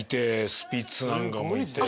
スピッツなんかもいて。